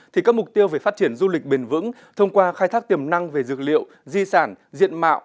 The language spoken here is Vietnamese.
thì các mục tiêu về phát triển du lịch bền vững thông qua khai thác tiềm năng về dược liệu di sản diện mạo